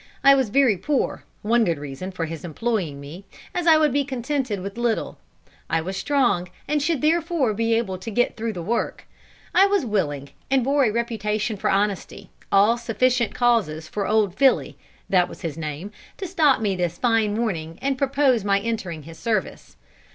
I was very poor one good reason, for his employing me, as I would be contented with little; I was strong, and should therefore be able to get through the work; I was willing, and bore a reputation for honesty all sufficient causes for old Fily (that was his name) to stop me this fine morning and propose my entering his service.